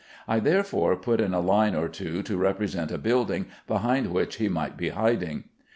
I, therefore, put in a line or two to represent a building behind which he might be hiding.